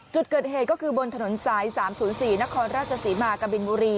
จุดเกิดเหตุก็คือบนถนนสาย๓๐๔นครราชศรีมากะบินบุรี